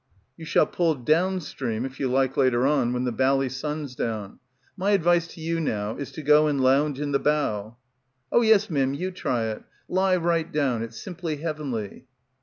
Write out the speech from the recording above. "You shall pull down stream if you like later on when the bally sun's down. My advice to you now is to go and lounge in the bow." "Oh yes, Mim, you try it. Lie right down. It's simply heavenly."